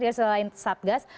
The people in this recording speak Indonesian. ini selain satgas